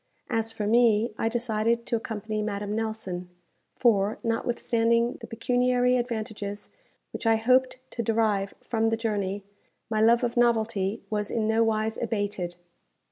As for me, I decided to accompany Madame Nelson; for, notwithstanding the pecuniary advantages which I hoped to derive from the journey, my love of novelty was in nowise abated.